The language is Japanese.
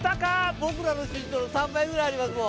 僕らの身長の３倍ぐらいありますもん。